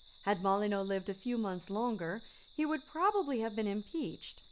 Had Molyneux lived a few months longer he would probably have been impeached.